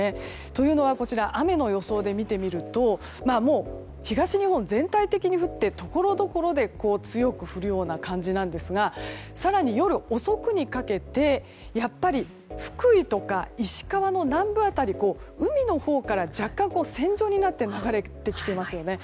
というのは、こちら雨の予想で見てみると東日本、全体的に降ってところどころで強く降るような感じなんですが更に夜遅くにかけて福井とか、石川の南部辺り海のほうから若干、線上になって流れてきていますよね。